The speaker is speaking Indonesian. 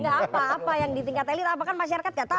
nggak apa apa yang di tingkat elit apakah masyarakat nggak tahu